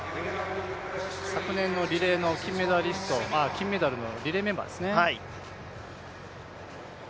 昨年の金メダルのリレーメンバーですね。